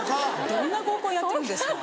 どんな合コンやってるんですか？